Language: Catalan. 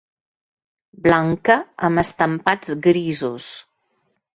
Blanca amb estampats grisos.